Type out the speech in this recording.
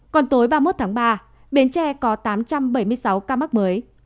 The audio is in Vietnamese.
còn tối ba mươi một tháng ba bến tre có tám trăm bảy mươi sáu ca mắc mới